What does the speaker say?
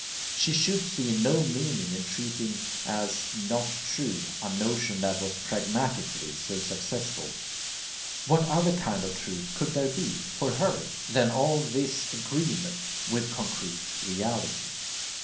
She could see no meaning in treating as 'not true' a notion that was pragmatically so successful. What other kind of truth could there be, for her, than all this agreement with concrete reality?